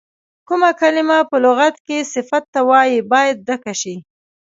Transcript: کومه کلمه په لغت کې صفت ته وایي باید ډکه شي.